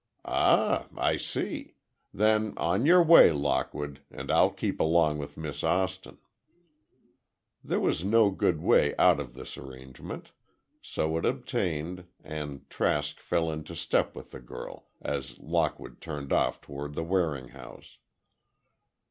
"Ah, I see. Then, on your way, Lockwood—and I'll step along with Miss Austin." There was no good way out of this arrangement, so it obtained, and Trask fell into step with the girl, as Lockwood turned off toward the Waring house.